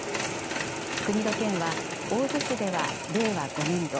国と県は大洲市では令和５年度